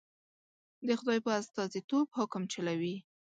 د خدای په استازیتوب حکم چلوي.